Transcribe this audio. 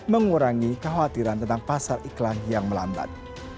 mengurangi kekhawatiran tentang pasar iklan yang melambat